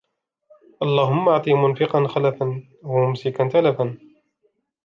اللَّهُمَّ أَعْطِ مُنْفِقًا خَلْفًا وَمُمْسِكًا تَلَفًا